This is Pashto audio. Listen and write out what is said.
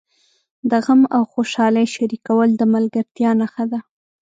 د غم او خوشالۍ شریکول د ملګرتیا نښه ده.